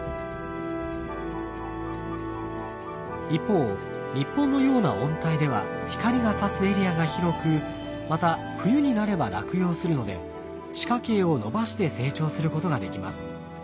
一方日本のような温帯では光がさすエリアが広くまた冬になれば落葉するので地下茎を伸ばして成長することができます。